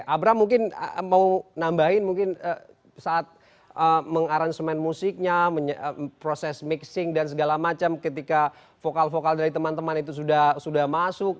abraham mungkin mau nambahin mungkin saat mengaransemen musiknya proses mixing dan segala macam ketika vokal vokal dari teman teman itu sudah masuk